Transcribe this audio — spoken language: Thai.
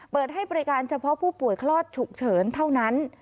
เปิดให้บริการเฉพาะผู้ป่วยคลอดฉุกเฉินเท่านั้น